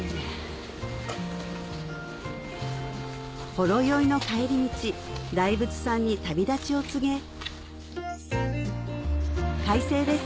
ほろ酔いの帰り道大仏さんに旅立ちを告げ快晴です